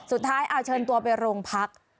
สุดท้ายเอาเชิญตัวไปโรงพัก